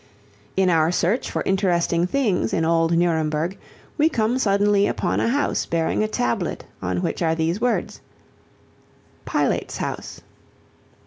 In our search for interesting things in old Nuremberg, we come suddenly upon a house bearing a tablet on which are these words, "Pilate's House."